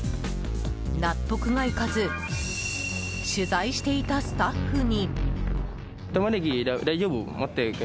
納得がいかず取材していたスタッフに。